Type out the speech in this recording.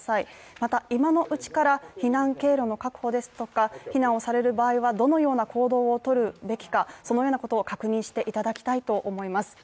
また今のうちから、避難経路の確保ですとか避難をされる場合はどのような行動を取るべきか、確認していただきたいと思います。